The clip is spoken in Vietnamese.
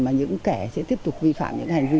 mà những kẻ sẽ tiếp tục vi phạm những hành vi